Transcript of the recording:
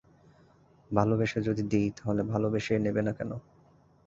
ভালোবেসে যদি দিই, তা হলে ভালোবেসেই নেবে না কেন?